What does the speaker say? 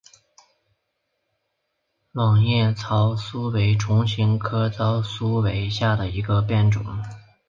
卵叶糙苏为唇形科糙苏属下的一个变种。